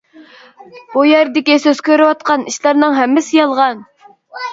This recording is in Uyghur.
بۇ يەردىكى سىز كۆرۈۋاتقان ئىشلارنىڭ ھەممىسى يالغان.